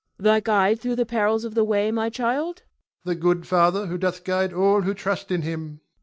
Cleon. Thy guide through the perils of the way, my child? Ion. The good Father who doth guide all who trust in him.